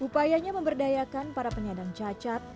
upayanya memberdayakan para penyandang cacat